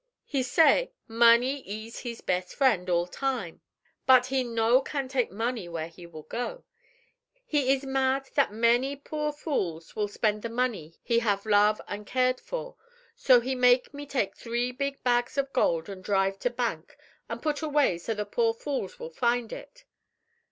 "He say, money ees his bes' friend, all time. But he no can take money where he will go. He ees mad that many poor fools will spend the money he have love an' cared for. So he make me take three big bag of gold an' drive to bank an' put away so the poor fools will find it.